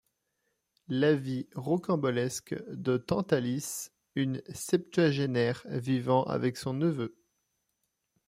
La vie rocambolesque de Tante Alice, une septuagénaire vivant avec son neveu.